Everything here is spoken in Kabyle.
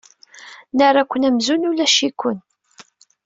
Nerra-ken amzun ulac-iken.